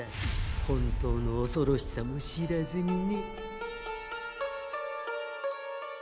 本当のおそろしさも知らずにね。